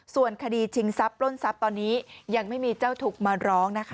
ส่วนคดีชิงทรัพย์ปล้นทรัพย์ตอนนี้ยังไม่มีเจ้าทุกข์มาร้องนะคะ